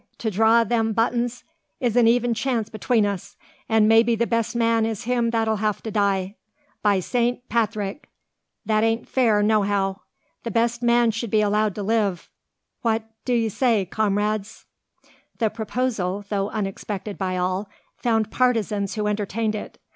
To dhraw them buttons is an even chance between us; an' maybe the best man is him that'll have to die. By Saint Pathrick! that isn't fair, nohow. The best man should be allowed to live. Phwat do yez say, comrades?" The proposal, though unexpected by all, found partisans who entertained it.